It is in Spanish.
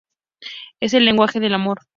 Es el lenguaje del amor.